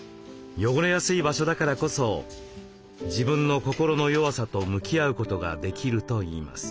汚れやすい場所だからこそ自分の心の弱さと向き合うことができるといいます。